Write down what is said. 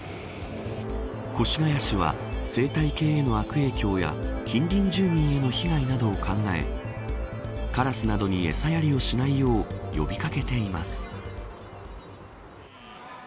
越谷市は、生態系への悪影響や近隣住民への被害を考えカラスなどに餌やりをしないよう呼び掛けています。